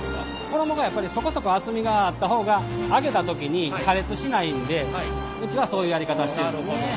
衣がやっぱりそこそこ厚みがあった方が揚げた時に破裂しないんでうちはそういうやり方してるんですね。